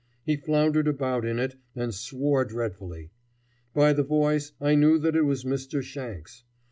He floundered about in it and swore dreadfully. By the voice I knew that it was Mr. Shanks.